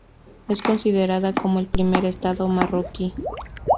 Es considerada como el primer estado marroquí.